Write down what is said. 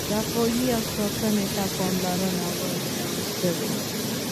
صفایي او ساتنې ته پاملرنه نه وه شوې.